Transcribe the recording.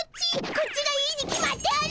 こっちがいいに決まっておる！